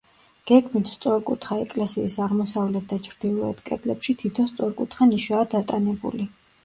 გეგმით სწორკუთხა ეკლესიის აღმოსავლეთ და ჩრდილოეთ კედლებში თითო სწორკუთხა ნიშაა დატანებული.